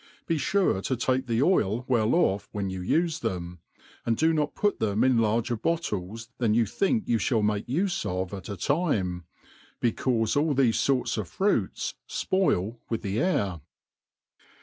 Bfe ^ fure to take the oil well off when you ufe them, and do not put them in' larger bottles than you think you (hall make ufe of at a time, becaufe all thefe forts of fruits fpoil with the air.